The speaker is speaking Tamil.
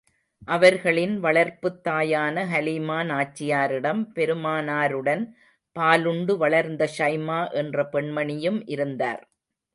அவர்களின் வளர்ப்புத் தாயான ஹலீமா நாச்சியாரிடம், பெருமானாருடன் பாலுண்டு வளர்ந்த ஷைமா என்ற பெண்மணியும் இருந்தார்.